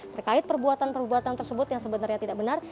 terkait perbuatan perbuatan tersebut yang sebenarnya tidak benar